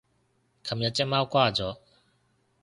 琴日隻貓掛咗